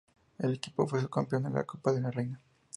El equipo fue subcampeón de la Copa de la Reina.